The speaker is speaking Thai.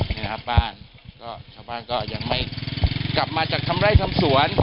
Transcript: นะครับบ้านก็ชาวบ้านก็ยังไม่กลับมาจากทำไร่ทำสวน